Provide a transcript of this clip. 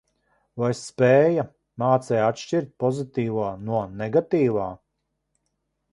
Vai spēja, mācēja atšķirt pozitīvo no negatīvā?